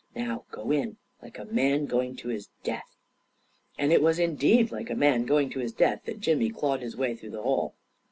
" Now go in — like a man going to his death !" And it was indeed like a man going to his death that Jimmy clawed his way through that hole.